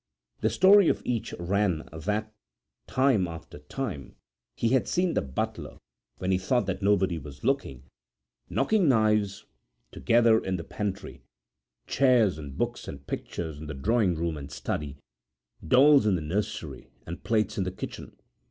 The story of each ran that time after time he had seen the butler, when he thought that nobody was looking, knocking knives together in the pantry, chairs and books and pictures in the drawing room and study, dolls in the nursery, and plates in the kitchen.